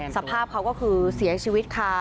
สภาพเขาก็คือเสียชีวิตค่ะ